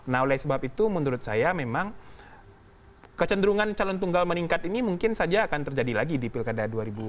nah oleh sebab itu menurut saya memang kecenderungan calon tunggal meningkat ini mungkin saja akan terjadi lagi di pilkada dua ribu dua puluh